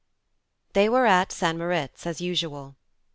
II THEY were at St. Moritz as usual.